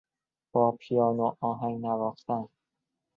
با پیانو آهنگ نواختن